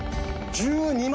１２万。